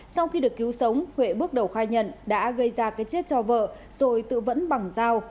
sau khi được cứu sống huệ bước đầu khai nhận đã gây ra cái chết cho vợ rồi tự vẫn bằng dao